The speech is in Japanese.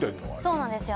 そうなんですよ